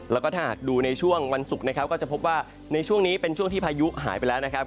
แล้วก็ถ้าหากดูในช่วงวันศุกร์นะครับก็จะพบว่าในช่วงนี้เป็นช่วงที่พายุหายไปแล้วนะครับ